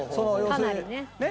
かなりね。